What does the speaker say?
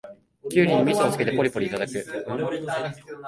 キュウリにみそをつけてポリポリいただく